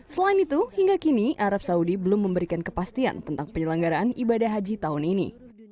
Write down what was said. selain itu hingga kini arab saudi belum memberikan kepastian tentang penyelenggaraan ibadah haji tahun ini